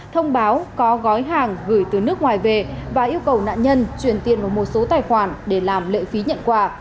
thông báo có gói hàng gửi từ nước ngoài về và yêu cầu nạn nhân chuyển tiền vào một số tài khoản để làm lệ phí nhận quà